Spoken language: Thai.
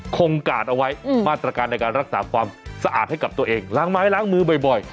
คงกาดเอาไว้มาตรการในการรักษาความสะอาดให้กับตัวเองล้างไม้ล้างมือบ่อย